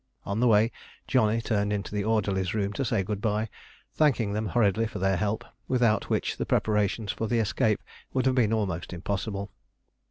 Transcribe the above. On the way, Johnny turned into the orderlies' room to say good bye, thanking them hurriedly for their help, without which the preparations for the escape would have been almost impossible.